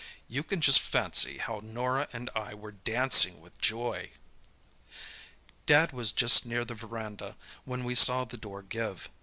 You can just fancy how Norah and I were dancing with joy! "Dad was just near the verandah when we saw the door give.